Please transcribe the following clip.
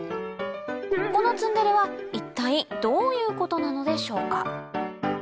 このツンデレは一体どういうことなのでしょうか